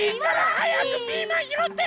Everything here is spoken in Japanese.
はやくピーマンひろって！